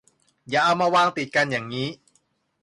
อย่าเอามาวางติดกันอย่างงี้